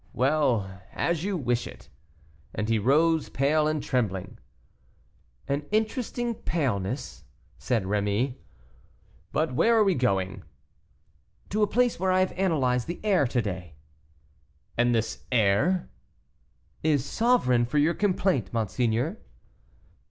"Well, as you wish it." And he rose, pale and trembling. "An interesting paleness," said Rémy. "But where are we going?" "To a place where I have analyzed the air to day." "And this air?" "Is sovereign for your complaint, monseigneur."